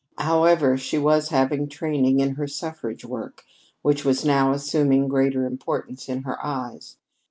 However, she was having training in her suffrage work, which was now assuming greater importance in her eyes.